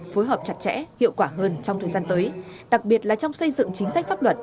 phối hợp chặt chẽ hiệu quả hơn trong thời gian tới đặc biệt là trong xây dựng chính sách pháp luật